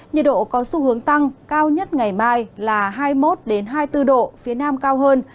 nhiệt độ có xu hướng tăng cao nhất ngày mai là hai mươi một hai mươi bốn độ phía nam cao hơn